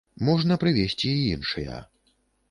Можна прывесці і іншыя.